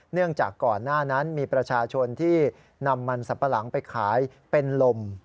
เนื่องจากก่อนหน้านั้นมีประชาชนที่นำมันสัมปะหลังไปขายเป็นลม